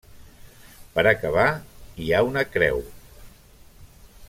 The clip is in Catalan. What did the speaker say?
Per acabar, hi ha una creu.